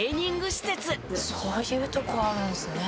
「そういうとこあるんですね」